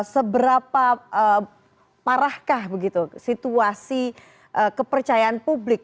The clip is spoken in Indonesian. seberapa parahkah begitu situasi kepercayaan publik